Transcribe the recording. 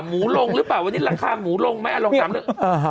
หมูลงหรือเปล่าวันนี้ราคาหมูลงไหมลง๓เรื่อง